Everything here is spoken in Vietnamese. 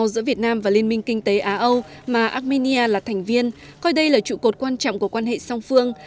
giữa việt nam và liên minh kinh tế á âu mà armenia là thành viên coi đây là trụ cột quan trọng của quan hệ song phương